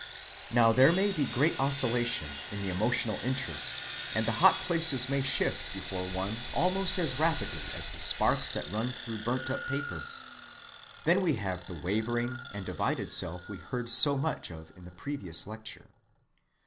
Now there may be great oscillation in the emotional interest, and the hot places may shift before one almost as rapidly as the sparks that run through burnt‐up paper. Then we have the wavering and divided self we heard so much of in the previous lecture.